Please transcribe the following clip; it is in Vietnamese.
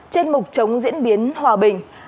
trên mục chống diễn biến hòa bình